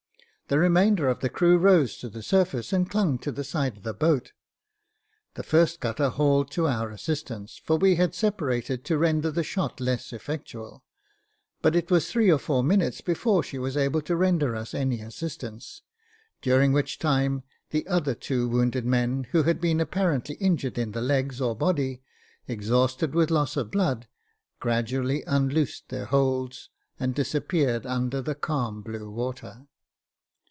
The remainder of the crew rose to the surface and clung to the side of the boat. The first cutter hauled to our assistance, for we had separated to render the shot less effectual ; but it was three or four minutes before she was able to render us any assistance, during which time the other two wounded men, who had been apparently injured in the legs or body, exhausted with loss of blood, gradually unloosed their holds and disappeared under the calm blue water.